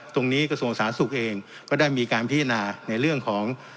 ตรงนี้กระทรวงศาสตร์สุขเองก็ได้มีการพินาในเรื่องของ